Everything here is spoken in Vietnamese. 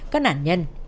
các nạn nhân